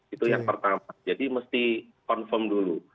itu yang pertama jadi mesti confirm dulu